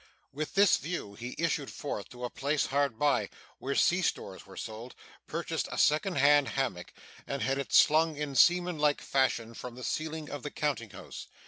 With this view, he issued forth to a place hard by, where sea stores were sold, purchased a second hand hammock, and had it slung in seamanlike fashion from the ceiling of the counting house.